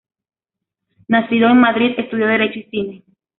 Nacido en Madrid, estudió derecho y cine.